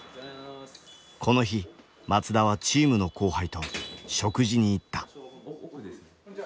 この日松田はチームの後輩と食事に行った。